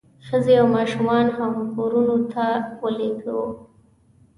ښځې او ماشومان هغو کورونو ته ولېږو.